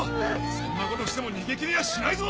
そんなことしても逃げ切れやしないぞ！